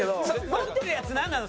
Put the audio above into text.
持ってるやつなんなの？